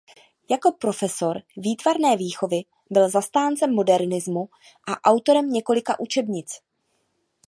Jako profesor výtvarné výchovy byl zastáncem modernismu a autorem několika učebnic.